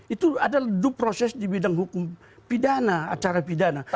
itu adalah due process di bidang hukum pidana acara pidana